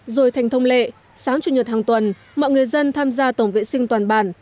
rồi thành thông lệ sáng chủ nhật hàng tuần mọi người dân tham gia tổng vệ sinh toàn bản